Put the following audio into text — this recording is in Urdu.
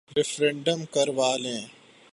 ریفرنڈم کروا لیں۔